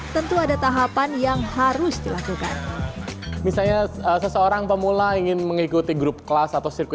tentu ada tahapan yang harus dilakukan misalnya seseorang pemula ingin mengikuti grup kelas atau sirku